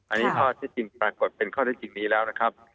อันนี้ข้อที่จริงปรากฏเป็นข้อได้จริงนี้แล้วนะครับ